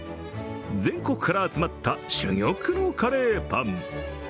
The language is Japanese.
全国から集まった珠玉のカレーパン。